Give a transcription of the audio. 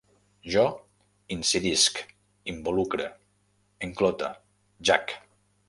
Jo incidisc, involucre, enclote, jac